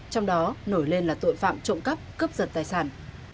trong đó nổi lên là tội phạm trộm cắp cướp giật tài sản